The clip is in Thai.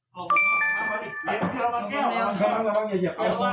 ผมไม่ไหวแล้วพี่พี่